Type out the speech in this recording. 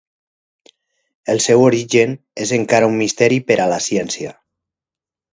El seu origen és encara un misteri per a la ciència.